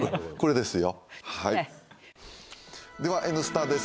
では「Ｎスタ」です。